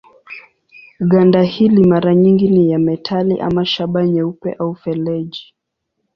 Ganda hili mara nyingi ni ya metali ama shaba nyeupe au feleji.